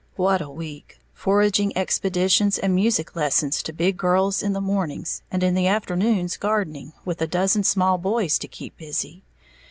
_ What a week! Foraging expeditions and music lessons to big girls in the mornings, and in the afternoons, gardening, with a dozen small boys to keep busy.